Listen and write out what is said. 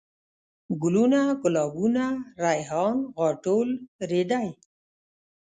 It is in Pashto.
ګلوونه ،ګلابونه ،ريحان ،غاټول ،رېدی